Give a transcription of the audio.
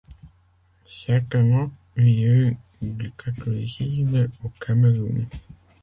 C'est un haut lieu du catholicisme au Cameroun.